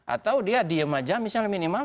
atau dia diem aja misalnya minimal